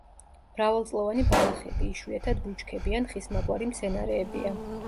მრავალწლოვანი ბალახები, იშვიათად ბუჩქები ან ხისმაგვარი მცენარეებია.